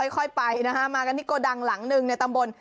ค่อยไปนะฮะมากันที่โกดังหลังหนึ่งในตำบล